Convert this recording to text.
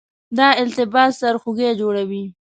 دا التباس سرخوږی جوړوي.